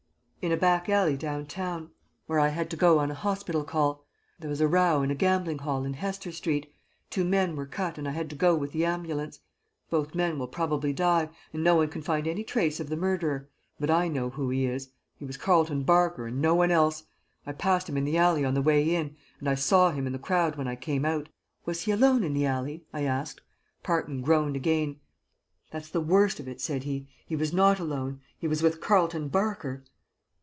"In a back alley down town, where I had to go on a hospital call. There was a row in a gambling hell in Hester Street. Two men were cut and I had to go with the ambulance. Both men will probably die, and no one can find any trace of the murderer; but I know who he is. He was Carleton Barker and no one else. I passed him in the alley on the way in, and I saw him in the crowd when I came out." "Was he alone in the alley?" I asked. Parton groaned again. "That's the worst of it," said he. "He was not alone. He was with Carleton Barker."